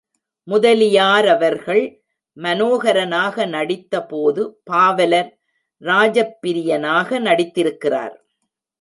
முதலியாரவர்கள் மனேஹரனாக நடித்தபோது பாவலர் ராஜப்பிரியனாக நடித்திருக்கிறார்.